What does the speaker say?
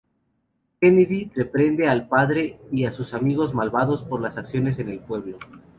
Kennedy reprende al padre y sus amigos malvados por las acciones en el pueblo.